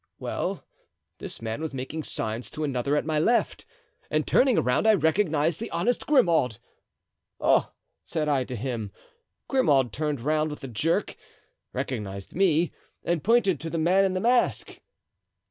Well, this man was making signs to another at my left, and turning around I recognized the honest Grimaud. 'Oh!' said I to him. Grimaud turned round with a jerk, recognized me, and pointed to the man in the mask.